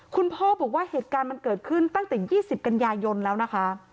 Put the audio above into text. คุณพ่อบอกว่าเหตุการณ์มันเกิดขึ้นตั้งแต่๒๐กันยายนแล้วนะคะ